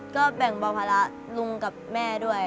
ก็แบ่งเบาภาระลุงกับแม่ด้วย